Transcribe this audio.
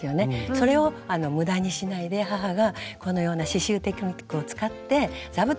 それを無駄にしないで母がこのような刺しゅうテクニックを使って座布団に仕上げてくれたんですね。